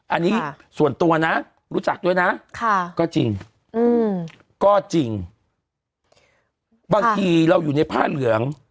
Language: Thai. อันนี้ส่วนตัวนะรู้จักด้วยนะก็จริงก็จริงบางทีเราอยู่ในผ้าเหลือง